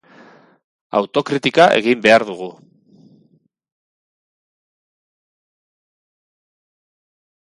Autokritika egin behar dugu.